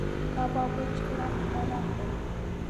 کباب وچ کلک خوراک دی.